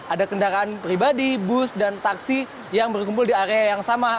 ada kendaraan pribadi bus dan taksi yang berkumpul di area yang sama